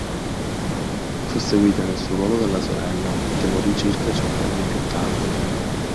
Fu seguita nel suo ruolo dalla sorella, che morì circa cinque anni più tardi.